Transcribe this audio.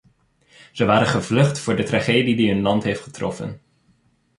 Ze waren gevlucht voor de tragedie die hun land heeft getroffen.